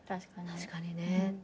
確かにね。